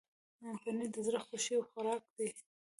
پنېر د زړه خوښي خوراک دی.